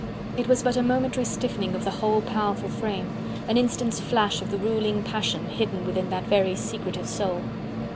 It was but a momentary stiffening of the whole powerful frame, an instant's flash of the ruling passion hidden within that very secretive soul.